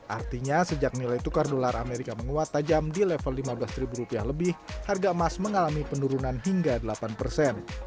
artinya sejak nilai tukar dolar amerika menguat tajam di level lima belas ribu rupiah lebih harga emas mengalami penurunan hingga delapan persen